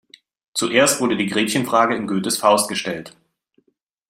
Zuerst wurde die Gretchenfrage in Goethes Faust gestellt.